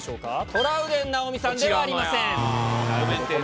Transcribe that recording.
トラウデン直美さんではありません。